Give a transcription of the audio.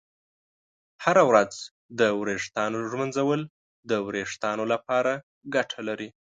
هره ورځ د ویښتانو ږمنځول د ویښتانو لپاره ګټه لري.